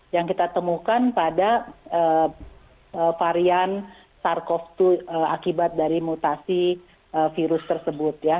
yang kita temukan pada varian sars cov dua akibat dari mutasi virus tersebut ya